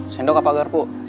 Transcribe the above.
sendok apa garpu